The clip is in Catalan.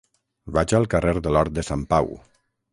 Vaig al carrer de l'Hort de Sant Pau.